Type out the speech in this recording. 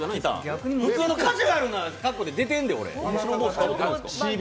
普通のカジュアルな格好で出てるぞ。